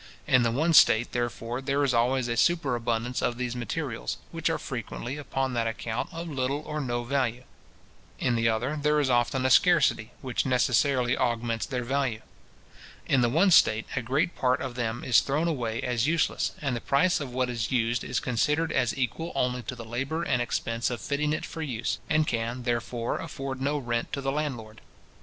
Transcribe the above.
In the one state, therefore, there is always a superabundance of these materials, which are frequently, upon that account, of little or no value. In the other, there is often a scarcity, which necessarily augments their value. In the one state, a great part of them is thrown away as useless and the price of what is used is considered as equal only to the labour and expense of fitting it for use, and can, therefore, afford no rent to the landlord.